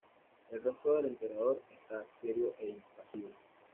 El rostro del emperador está serio e impasible.